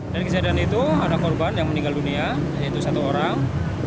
dari kejadian itu ada korban yang meninggal dunia yaitu satu orang